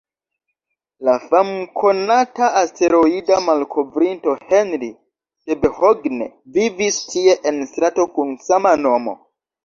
La famkonata asteroida malkovrinto Henri Debehogne vivis tie en strato kun sama nomo.